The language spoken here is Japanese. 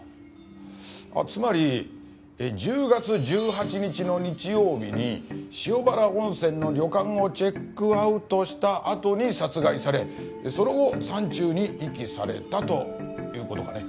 つまり１０月１８日の日曜日に塩原温泉の旅館をチェックアウトしたあとに殺害されその後山中に遺棄されたという事かね？